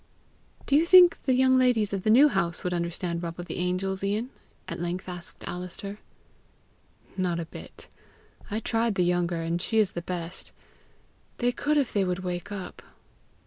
"Do you think the young ladies of the New House could understand Rob of the Angels, Ian?" at length asked Alister. "Not a bit. I tried the younger, and she is the best. They could if they would wake up."